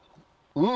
うん！